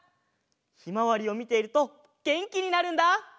ひまわりをみているとげんきになるんだ！